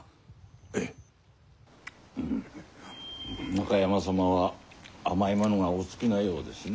中山様は甘いものがお好きなようですね。